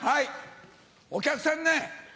お客さん